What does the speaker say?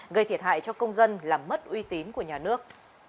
gây thiệt hại cho công dân làm mất uy tín của nhà nước